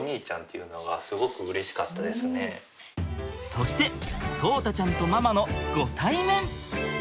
そして聡太ちゃんとママのご対面。